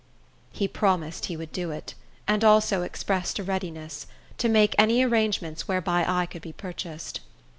He promised he would do it, and also expressed a readiness; to make any arrangements whereby I could be purchased.